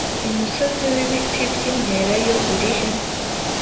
umusozi w ibiti by imyelayo urihe